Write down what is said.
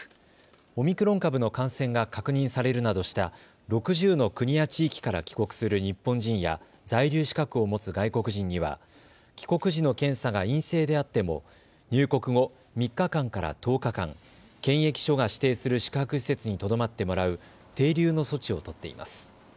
オミクロン株の感染が確認されるなどした６０の国や地域から帰国する日本人や在留資格を持つ外国人には帰国時の検査が陰性であっても入国後、３日間から１０日間、検疫所が指定する宿泊施設にとどまってもらう停留の措置を取っています。